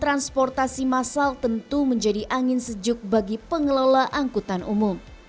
transportasi massal tentu menjadi angin sejuk bagi pengelola angkutan umum